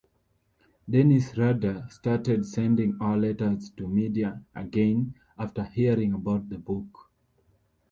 Dennis Rader started sending out letters to media again after hearing about the book.